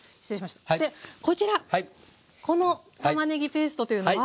こちらこのたまねぎペーストというのは。